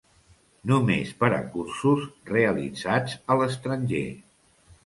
Només per a cursos realitzats a l'estranger.